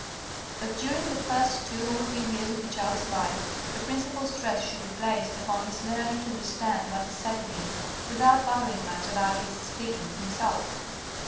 But during the first two or three years of the child's life the principal stress should be placed upon his learning to understand what is said to him, without bothering much about his speaking himself.